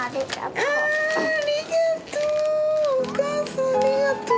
ありがとう。